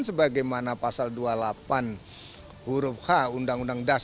sebagaimana pasal dua puluh delapan huruf h undang undang dasar empat puluh lima itu